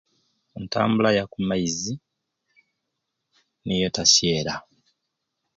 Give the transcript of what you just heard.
Entambula ya ku maizi niyo etasyera.